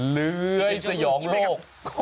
เลื้อยสยองโลก